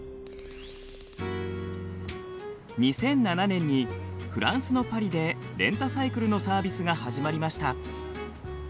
２００７年にフランスのパリでレンタサイクルのサービスが始まりました。